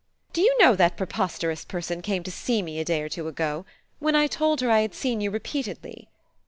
"Do you know that preposterous person came to see me a day or two ago? when I told her I had seen you repeatedly."